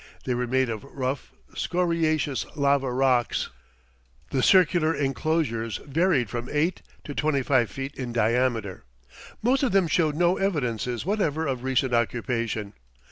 They were made of rough, scoriaceous lava rocks. The circular enclosures varied from 8 to 25 feet in diameter. Most of them showed no evidences whatever of recent occupation.